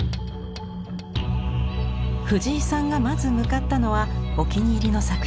藤井さんがまず向かったのはお気に入りの作品。